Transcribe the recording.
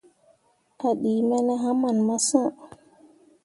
A ɗii me ne haman massh.